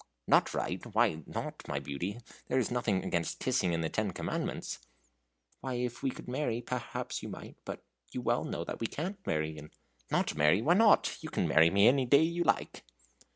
"Not right? why not, my beauty? there is nothing against kissing in the ten commandments." "Why, if we could marry, perhaps you might but you know very well we can't marry, and " "Not marry? why not? You can marry me any day you like."